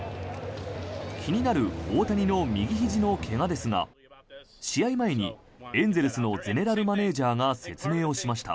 気になる大谷の右ひじのけがですが試合前にエンゼルスのゼネラルマネジャーが説明をしました。